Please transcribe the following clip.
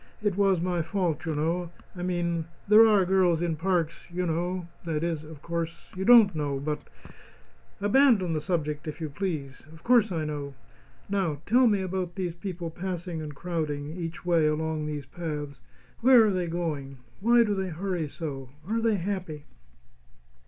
"It was my fault, you know I mean, there are girls in parks, you know that is, of course, you don't know, but " "Abandon the subject, if you please. Of course I know. Now, tell me about these people passing and crowding, each way, along these paths. Where are they going? Why do they hurry so? Are they happy?"